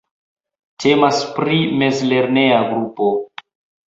Temas pri mezlerneja grupo.